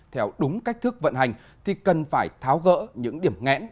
theo đúng cách thức vận hành thì cần phải tháo gỡ những điểm ngẽn